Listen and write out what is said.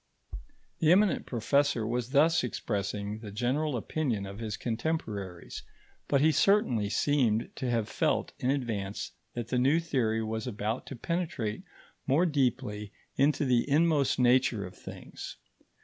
The eminent professor was thus expressing the general opinion of his contemporaries, but he certainly seemed to have felt in advance that the new theory was about to penetrate more deeply into the inmost nature of things.